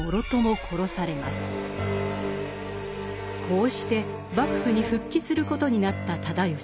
こうして幕府に復帰することになった直義。